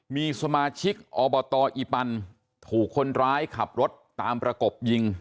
มีสมาชิกอบตอีปันถูกคนร้ายขับรถตามประกบยิง